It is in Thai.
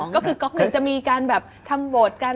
ก็คือก๊อก๑จะมีการทำโหวตกัน